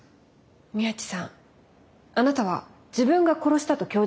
宮地さんあなたは自分が殺したと供述しています。